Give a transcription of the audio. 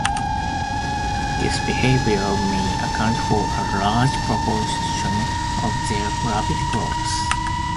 This behavior may account for a large proportion of their rapid growth.